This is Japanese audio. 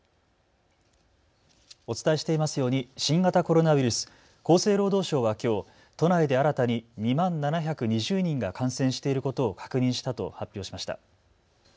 お伝えしていますように新型コロナウイルス、厚生労働省はきょう都内で新たに２万７２０人が感染していることを確認したと発表しました。